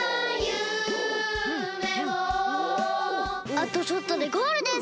あとちょっとでゴールです！